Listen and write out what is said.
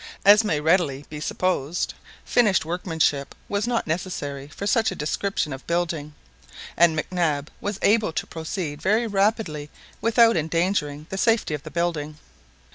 As may readily be supposed, finished workmanship was not necessary for such a description of building, and Mac Nab was able to proceed very rapidly without endangering the safety of the building.